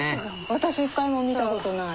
私一回も見た事ない。